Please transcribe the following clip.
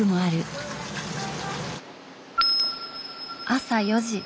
朝４時。